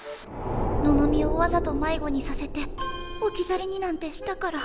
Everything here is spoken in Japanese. ののみをわざと迷子にさせて置き去りになんてしたから。